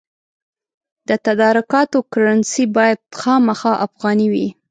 د تدارکاتو کرنسي باید خامخا افغانۍ وي.